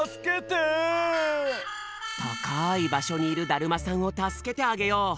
たかいばしょにいるだるまさんを助けてあげよう。